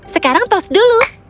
sekarang tos dulu